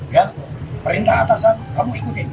ya perintah atasan kamu ikutin